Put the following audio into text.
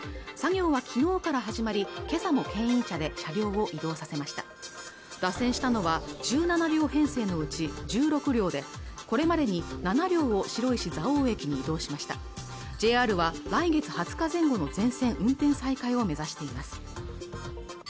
作業は昨日から始まり今朝も牽引車で車両を移動させました脱線したのは１７両編成のうち１６両でこれまでに７両を白石蔵王駅に移動しましたＪＲは来月２０日前後の全線運転再開を目指しています